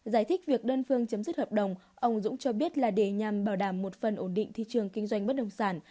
giải thích việc đơn phương chấm dứt hợp đồng ông dũng cho biết là để nhằm bảo đảm một phần ổn định thị trường kinh doanh bất đồng sản